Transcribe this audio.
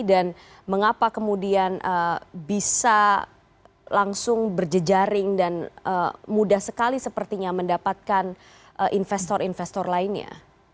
dan mengapa kemudian bisa langsung berjejaring dan mudah sekali sepertinya mendapatkan investor investor lainnya